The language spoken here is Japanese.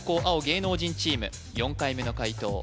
青芸能人チーム４回目の解答